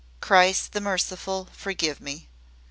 Christ the Merciful, forgive me!